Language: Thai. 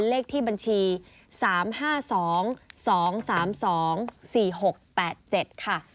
เลขที่บัญชี๓๕๒๒๓๒๔๖๘๗ค่ะ